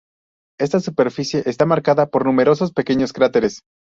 Esta superficie está marcada por numerosos pequeños cráteres.